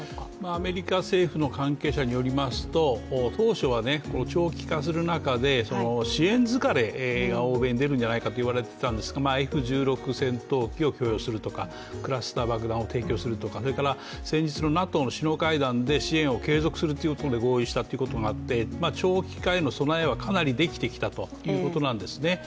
アメリカ政府の関係者によりますと当初は、長期化する中で支援疲れが欧米に出るんじゃないかと言われていたんですが、Ｆ−１６戦闘機を供与するとかクラスター爆弾を提供するとかそれから先日のＮＡＴＯの首脳会談で、支援を継続するということで合意したこともあって長期化への備えはかなりできてきたということなんですね。